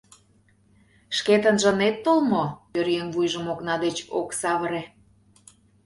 — Шкетынже ынет тол мо? — пӧръеҥ вуйжым окна деч ок савыре.